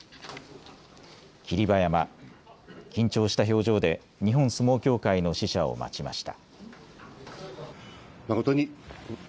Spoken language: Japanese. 霧馬山、緊張した表情で日本相撲協会の使者を待ちました。